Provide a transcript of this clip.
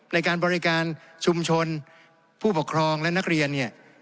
ในการบริการชุมชนผู้ปกครองและนักเรียนเนี่ย